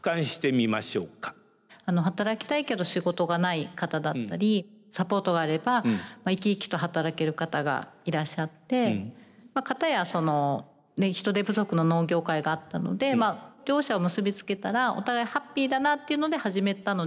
働きたいけど仕事がない方だったりサポートがあれば生き生きと働ける方がいらっしゃってかたや人手不足の農業界があったので両者を結び付けたらお互いハッピーだなっていうので始めたので。